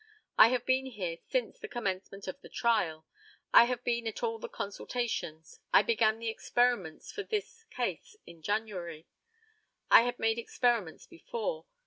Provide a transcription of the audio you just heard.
I have been here since the commencement of the trial. I have been at all the consultations. I began the experiments for this case in January. I had made experiments before.